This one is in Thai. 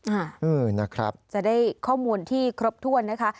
อ่าเออนะครับจะได้ข้อมูลที่ครบถ้วนนะคะ